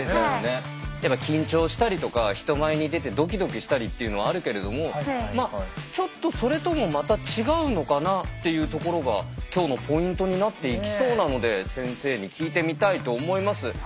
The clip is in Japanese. やっぱ緊張したりとか人前に出てドキドキしたりっていうのはあるけれどもちょっとそれともまた違うのかなっていうところが今日のポイントになっていきそうなので先生に聞いてみたいと思います。